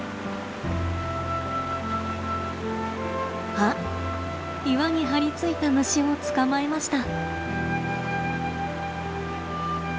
あっ岩に張り付いた虫を捕まえました。